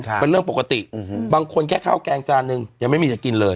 เป็นเรื่องปกติอืมบางคนแค่ข้าวแกงจานนึงยังไม่มีจะกินเลย